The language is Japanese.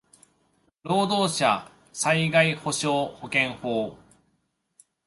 労働者災害補償保険法